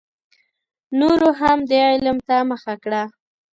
نورو هم دې علم ته مخه کړه.